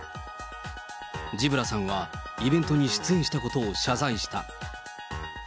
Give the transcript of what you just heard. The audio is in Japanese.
ジブラさんはイベントに出演したことを謝罪した。